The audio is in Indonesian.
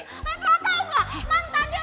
eh bro tau gak